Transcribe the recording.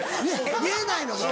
見えないの。